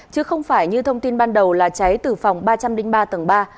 chứ không phải như thông tin ban đầu là cháy từ phòng ba trăm linh ba tầng ba